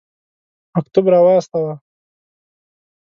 مکتوب را واستاوه.